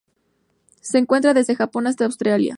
Se encuentra desde Japón hasta Australia.